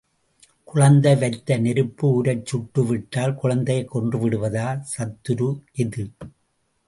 குழந்தை வைத்த நெருப்பு ஊரைச் சுட்டு விட்டால் குழந்தையைக் கொன்று விடுவதா? சத்துரு எது?